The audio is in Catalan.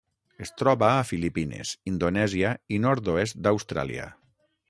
Es troba a Filipines, Indonèsia i nord-oest d'Austràlia.